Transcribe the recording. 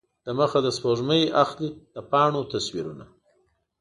دمخه د سپوږمۍ اخلي د پاڼو تصویرونه